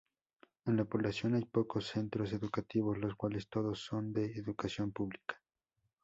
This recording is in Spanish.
En la población hay pocos centros educativos los cuales todos son de educación pública.